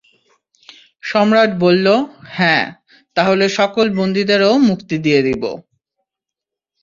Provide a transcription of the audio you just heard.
সম্রাট বলল, হ্যাঁ, তাহলে সকল বন্দীদেরও মুক্তি দিয়ে দিব।